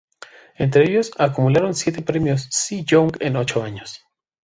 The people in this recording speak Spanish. Entre ellos acumularon siete premios Cy Young en ocho años.